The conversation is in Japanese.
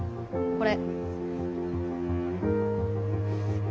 これ。